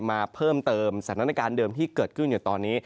มาเพิ่มเติมสถานการณ์เดิมที่เกิดขึ้นอยู่ตอนนี้